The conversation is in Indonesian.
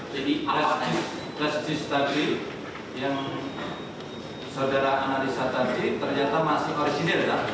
jadi class g study yang saudara analisa tadi ternyata masih orisinir ya